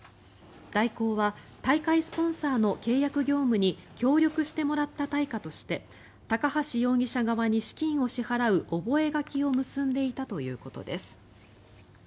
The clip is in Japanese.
大広は大会スポンサーの契約業務に協力してもらった対価として高橋容疑者側に資金を支払う覚書を結んでいたということです。